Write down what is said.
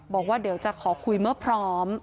บอกว่าเดี๋ยวจะขอคุยเมื่อพร้อม